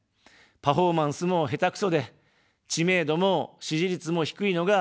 パフォーマンスも下手くそで、知名度も支持率も低いのが現状です。